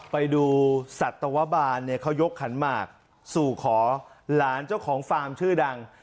ไปดูสัตวบาลเนี่ยเขายกขันหมากสู่ขอหลานเจ้าของฟาร์มชื่อดัง